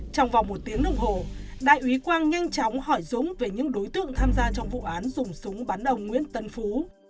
trong vòng một tiếng đồng hồ đại úy quang nhanh chóng hỏi dũng về những đối tượng tham gia trong vụ án dùng súng bắn đồng nguyễn tân phú